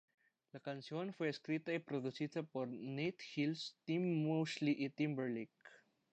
La canción fue escrita y producida por Nate Hills, Tim Mosley y Timberlake.